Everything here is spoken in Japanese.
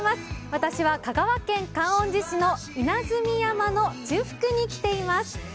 私は香川県観音寺市の稲積山の中腹に来ています。